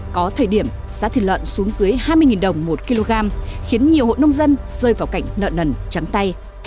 có thời điểm giá thịt lợn xuống dưới hai mươi đồng một kg khiến nhiều hộ nông dân rơi vào cảnh nợ nần trắng tay